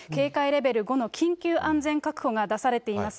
警戒レベル５の緊急安全確保が出されています。